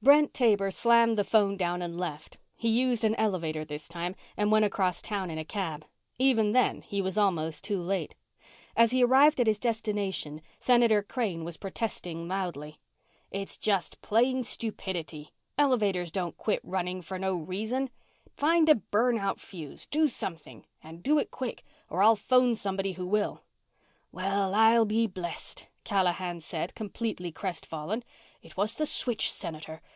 Brent Taber slammed the phone down and left. He used an elevator this time and went across town in a cab. Even then, he was almost too late. As he arrived at his destination, Senator Crane was protesting loudly. "It's just plain stupidity. Elevators don't quit running for no reason. Find a burnt out fuse. Do something! And do it quick or I'll phone somebody who will!" "Well, I'll be blessed," Callahan said, completely crest fallen. "It was the switch, Senator.